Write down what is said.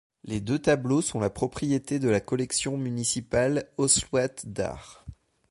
Les deux tableaux sont la propriété de la collection municipale osloîte d'art.